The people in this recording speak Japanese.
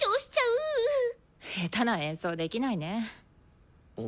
下手な演奏できないね。